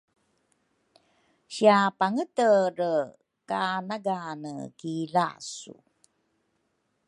Sia Pangetedre ka nagane ki lasu?